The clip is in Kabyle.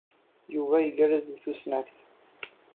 Yuba igerrez deg tusnakt.